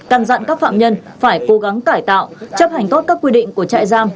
căn dặn các phạm nhân phải cố gắng cải tạo chấp hành tốt các quy định của trại giam